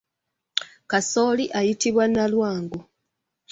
Kasooli ayitibwa nalwangu.